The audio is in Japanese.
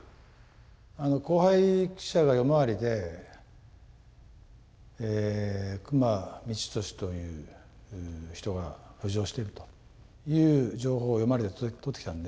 後輩記者が「夜回りで久間三千年という人が浮上してる」という情報を夜回りでとってきたんで。